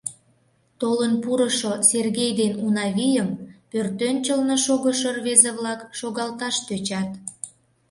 Толын пурышо Сергей ден Унавийым пӧртӧнчылнӧ шогышо рвезе-влак шогалташ тӧчат.